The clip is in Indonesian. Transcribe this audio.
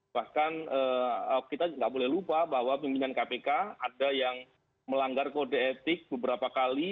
bahkan kita tidak boleh lupa bahwa pimpinan kpk ada yang melanggar kode etik beberapa kali